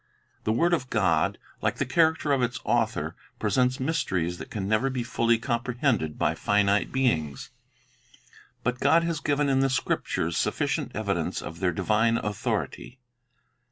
The word of God, like the character of its Author, presents mysteries that can never be fully comprehended by finite beings. But God has given in the Scriptures sufficient evidence of their divine authority.